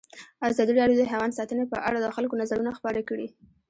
ازادي راډیو د حیوان ساتنه په اړه د خلکو نظرونه خپاره کړي.